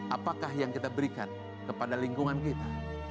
apakah yang kita berikan kepada lingkungan kita